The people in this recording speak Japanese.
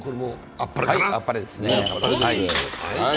あっぱれですね。